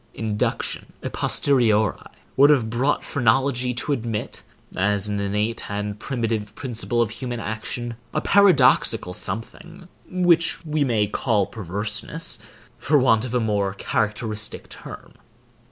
Induction, a posteriori, would have brought phrenology to admit, as an innate and primitive principle of human action, a paradoxical something, which we may call perverseness, for want of a more characteristic term.